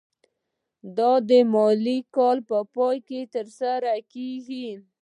دا د مالي کال په پای کې ترسره کیږي.